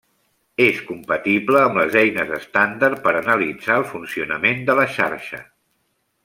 És compatible amb les eines estàndard per analitzar el funcionament de la xarxa.